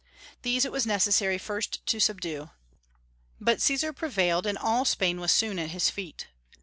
These it was necessary first to subdue. But Caesar prevailed, and all Spain was soon at his feet.